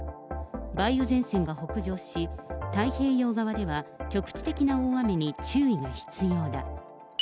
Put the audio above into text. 梅雨前線が北上し、太平洋側では局地的な大雨に注意が必要だ。